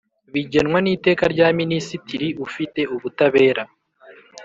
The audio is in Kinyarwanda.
bigenwa n Iteka rya Minisitiri ufite ubutabera